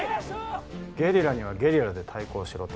ゲリラにはゲリラで対抗しろと？